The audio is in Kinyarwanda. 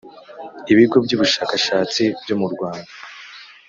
Ibigo by’ubushakashatsi byo mu Rwanda